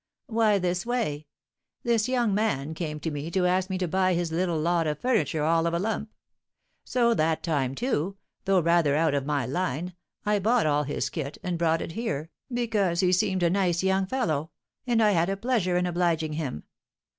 "Why, this way: this young man came to me to ask me to buy his little lot of furniture all of a lump. So that time, too, though rather out of my line, I bought all his kit, and brought it here, because he seemed a nice young fellow, and I had a pleasure in obliging him.